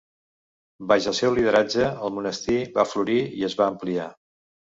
Baix el seu lideratge, el monestir va florir i es va ampliar.